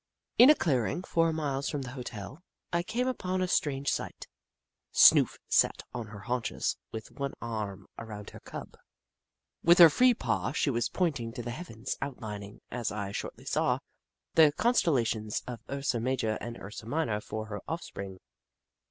In a clearing, four miles from the hotel, I came upon a strange sight. Snoof sat on her haunches, with one arm around her Cub. 64 The Book of Clever Beasts With her free paw, she was pointing to the heavens, outhning, as I shortly saw, the con stellations of Ursa Major and Ursa Minor for her offspring.